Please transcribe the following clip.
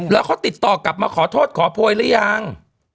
แล้วเขาติดต่อกลับมาขอโทษขอโพยหรือยัง